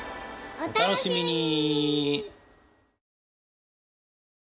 お楽しみに！